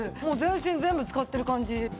もう全身全部使ってる感じ。